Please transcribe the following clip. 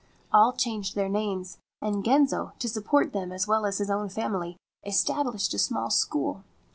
All changed their names, and Genzo, to support them as well as his own family, established a small school.